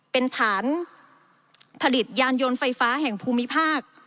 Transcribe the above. เป็นฐานผลิตยานยนต์ไฟฟ้าแห่งภูมิภาค